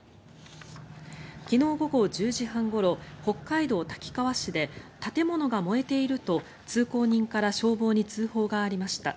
昨日午後１０時半ごろ北海道滝川市で建物が燃えていると通行人から消防に通報がありました。